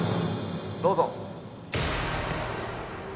どうぞ。